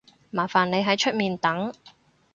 麻煩你喺出面等